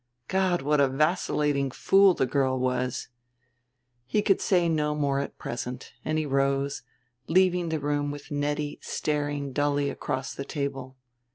God, what a vacillating fool the girl was! He could say no more at present, and he rose, leaving the room with Nettie staring dully across the table.